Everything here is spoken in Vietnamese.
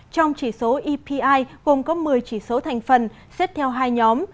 trong chỉ số epi cùng có một mươi chỉ số thành phần xếp theo hai nhóm